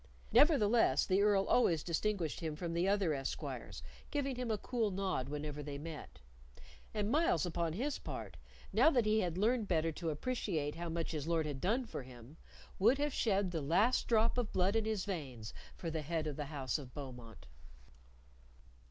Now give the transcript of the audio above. Nevertheless, the Earl always distinguished him from the other esquires, giving him a cool nod whenever they met; and Myles, upon his part now that he had learned better to appreciate how much his Lord had done for him would have shed the last drop of blood in his veins for the head of the house of Beaumont.